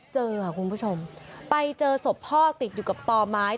เจอค่ะคุณผู้ชมไปเจอศพพ่อติดอยู่กับต่อไม้